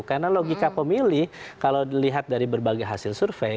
karena logika pemilih kalau dilihat dari berbagai hasil survei